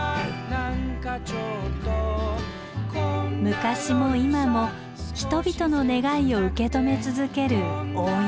昔も今も人々の願いを受け止め続ける大山。